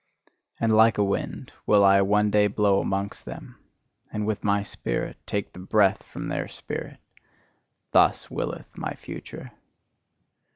And like a wind will I one day blow amongst them, and with my spirit, take the breath from their spirit: thus willeth my future.